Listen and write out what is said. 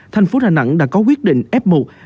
thành phố đà nẵng đã có quyết định f một